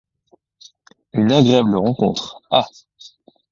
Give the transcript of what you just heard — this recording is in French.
Une agréable rencontre, ah !